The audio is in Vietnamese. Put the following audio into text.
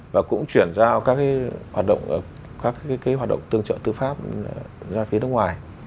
và cũng chuyển ra các cái hoạt động tương trợ tư pháp ra phía nước ngoài